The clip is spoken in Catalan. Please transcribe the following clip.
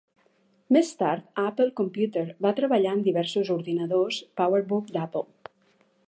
Més tard a Apple Computer, va treballar en diversos ordinadors PowerBook d'Apple.